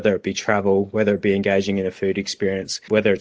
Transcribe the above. apakah itu berjalan apakah itu bergabung dalam pengalaman makanan